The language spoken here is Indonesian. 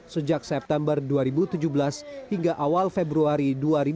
sejak september dua ribu tujuh belas hingga awal februari dua ribu delapan belas